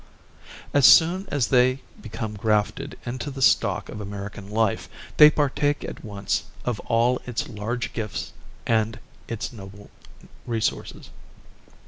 As soon as they become grafted into the stock of American life they partake at once of all its large gifts and its noble resources.